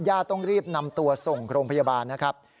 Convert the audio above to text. ต้องรีบนำตัวส่งโรงพยาบาลนะครับ